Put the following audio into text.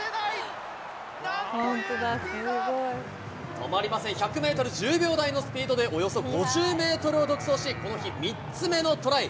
止まりません、１００メートル１０秒台のスピードで、およそ５０メートルを独走し、この日、３つ目のトライ。